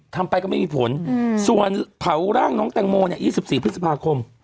ทำไปก็ไม่มีผลอืมส่วนเผาร่างน้องแตงโมเนี่ยยี่สิบสี่พฤษภาคม